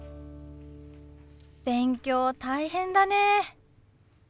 勉強大変だね。